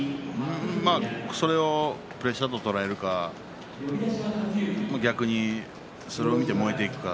それをプレッシャーと捉えるか逆に、それを見て燃えていくか